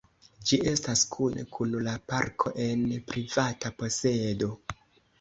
Ĝi estas kune kun la parko en privata posedo.